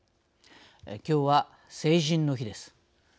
きょうは成人の日です。